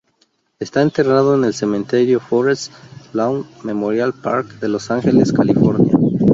Está enterrado en el cementerio Forest Lawn Memorial Park de Los Ángeles, California.